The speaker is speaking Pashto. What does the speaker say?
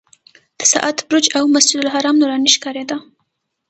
د ساعت برج او مسجدالحرام نوراني ښکارېده.